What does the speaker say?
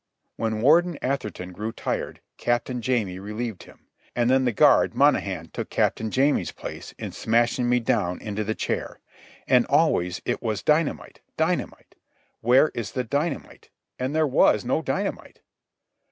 When Warden Atherton grew tired, Captain Jamie relieved him; and then the guard Monohan took Captain Jamie's place in smashing me down into the chair. And always it was dynamite, dynamite, "Where is the dynamite?" and there was no dynamite.